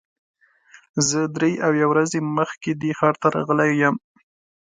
زه درې اویا ورځې مخکې دې ښار ته راغلی یم.